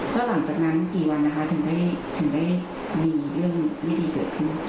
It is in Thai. ก็หลังจากนั้นกี่วันนะคะถึงได้มีเรื่องไม่ดีเกิดขึ้น